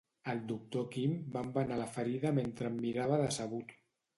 El doctor Kim va embenar la ferida mentre em mirava decebut.